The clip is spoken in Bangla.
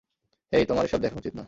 হেই, তোমার এসব দেখা উচিত না।